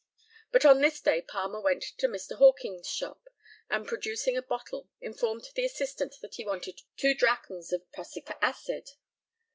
But on this day Palmer went to Mr. Hawkings's shop, and, producing a bottle, informed the assistant that he wanted two drachms of prussic acid.